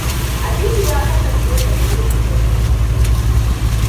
Habibu ya kasance mai kirki da taimako.